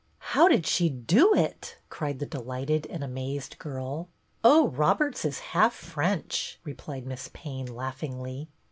" How did she do it " cried the delighted and amazed girl. " Oh, Roberts is half French," replied Miss Payne, laughingly.